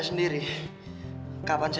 kita apa hah